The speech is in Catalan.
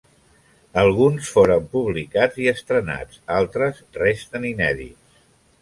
Alguns foren publicats i estrenats, altres resten inèdits.